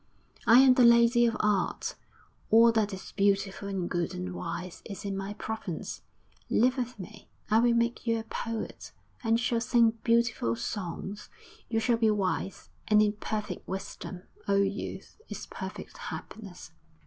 'I am the Lady of Art; all that is beautiful and good and wise is in my province. Live with me; I will make you a poet, and you shall sing beautiful songs. You shall be wise; and in perfect wisdom, oh youth! is perfect happiness.'